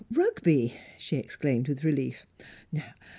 "Rugby!" she exclaimed, with relief.